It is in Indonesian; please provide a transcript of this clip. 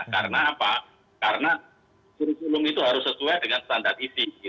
karena apa karena kurikulum itu harus sesuai dengan standar isi